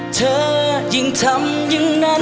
เธอยิ่งทำอย่างนั้น